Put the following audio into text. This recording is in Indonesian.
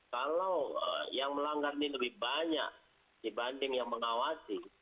kalau yang melanggar ini lebih banyak dibanding yang mengawasi